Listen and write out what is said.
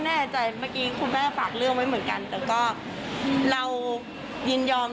แน่ใจเมื่อกี้คุณแม่ฝากเรื่องไว้เหมือนกันแต่ก็เรายินยอม